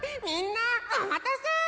みんなおまたせ！